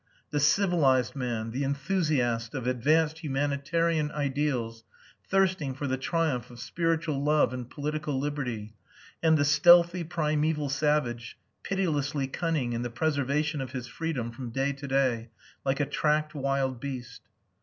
The civilized man, the enthusiast of advanced humanitarian ideals thirsting for the triumph of spiritual love and political liberty; and the stealthy, primeval savage, pitilessly cunning in the preservation of his freedom from day to day, like a tracked wild beast.